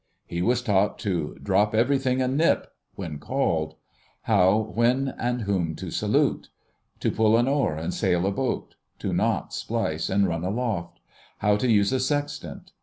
He was taught to "drop everything and nip!" when called; how, when, and whom to salute. To pull an oar and sail a boat; to knot, splice, and run aloft; how to use a sextant.